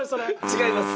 違います。